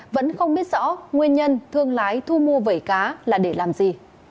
vẫn không biết rõ nguyên nhân thương lái thu mua vẩy cá là để làm gì